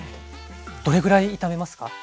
どれぐらい炒めますか？